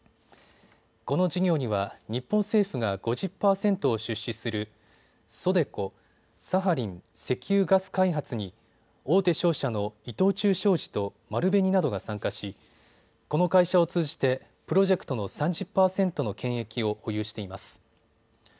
この事業には日本政府が５０％を出資するＳＯＤＥＣＯ・サハリン石油ガス開発に大手商社の伊藤忠商事と丸紅などが参加し、この会社を通じてプロジェクトの３０％の権益を保有しています。